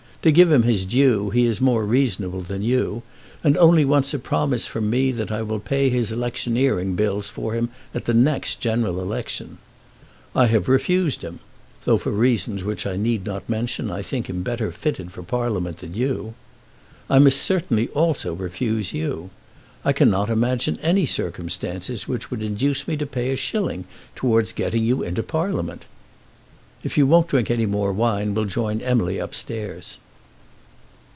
To give him his due, he is more reasonable than you, and only wants a promise from me that I will pay electioneering bills for him at the next general election. I have refused him, though for reasons which I need not mention I think him better fitted for Parliament than you. I must certainly also refuse you. I cannot imagine any circumstances which would induce me to pay a shilling towards getting you into Parliament. If you won't drink any more wine, we'll join Emily upstairs."